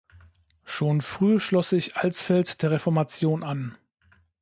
Schon früh schloss sich Alsfeld der Reformation an.